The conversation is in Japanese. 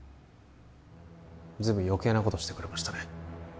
ずいぶん余計なことをしてくれましたね